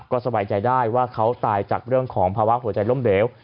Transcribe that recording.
ก็สบายใจได้ว่าเขาตายจากเรื่องของภาวะหัวใจล้มเหลว